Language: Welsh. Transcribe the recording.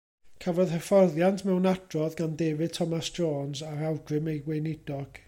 Cafodd hyfforddiant mewn adrodd gan David Thomas Jones ar awgrym ei gweinidog.